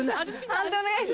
判定お願いします。